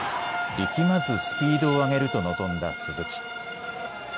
力まずスピードを上げると臨んだ鈴木。